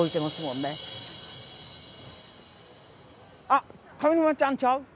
あっ上沼ちゃんちゃう？